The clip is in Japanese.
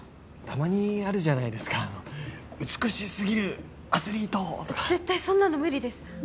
たまにあるじゃないですか美しすぎるアスリート！とか絶対そんなの無理です！